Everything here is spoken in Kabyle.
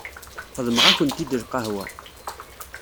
Xedmeɣ-akent-id lqahwa.